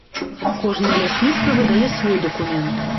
Кожнае лясніцтва выдае свой дакумент.